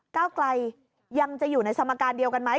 เก้าไกลยังจะอยู่ในสมการเดียวกันไหม